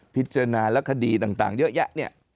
พิจารณาแล้วคดีต่างเยอะแยะเนี่ย